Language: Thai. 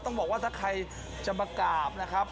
ต้องบอกว่าถ้าใครจะมากราบนะครับ